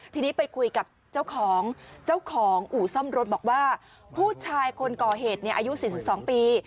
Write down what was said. ทีนี้ไปคุยกับเจ้าของอู๋ซ่อมรถบอกว่าผู้ชายคนก่อเหตุเนี่ยอายุ๔๒ปี